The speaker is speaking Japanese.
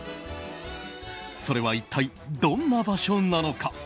それは一体どんな場所なのか。